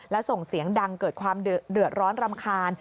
และส่งเสียงดังเกิดความเดือดร้อนรำคาญ